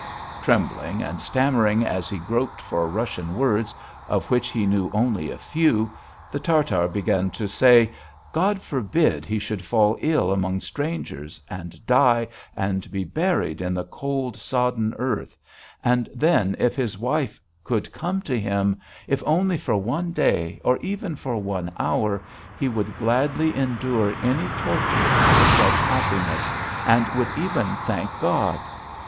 Trembling and stammering as he groped for Russian words, of which he knew only a few, the Tartar began to say: "God forbid he should fall ill among strangers, and die and be buried in the cold sodden earth, and then, if his wife could come to him if only for one day or even for one hour, he would gladly endure any torture for such happiness, and would even thank God.